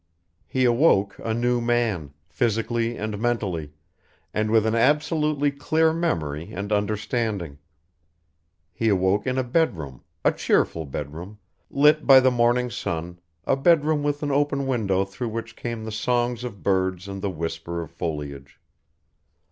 He awoke a new man, physically and mentally, and with an absolutely clear memory and understanding. He awoke in a bed room, a cheerful bed room, lit by the morning sun, a bed room with an open window through which came the songs of birds and the whisper of foliage.